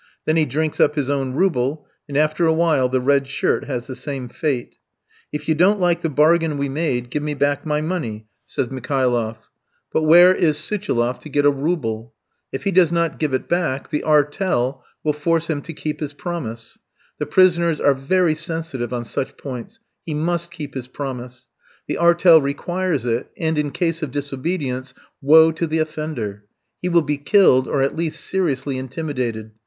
Then he drinks up his own rouble, and after a while the red shirt has the same fate. "If you don't like the bargain we made, give me back my money," says Mikhailoff. But where is Suchiloff to get a rouble? If he does not give it back, the "artel" [i.e., the association in this case of convicts] will force him to keep his promise. The prisoners are very sensitive on such points: he must keep his promise. The "artel" requires it, and, in case of disobedience, woe to the offender! He will be killed, or at least seriously intimidated.